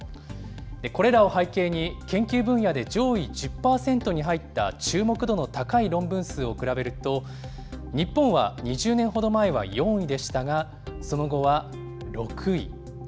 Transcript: これらを背景に、研究分野で上位１０％に入った注目度の高い論文数を比べると、日本は２０年ほど前は４位でしたが、その後は６位。